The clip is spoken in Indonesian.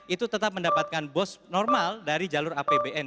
itu tetap mendapatkan bos normal dari jalur apbn